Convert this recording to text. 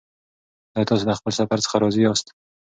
ایا تاسې له خپل سفر څخه راضي یاست؟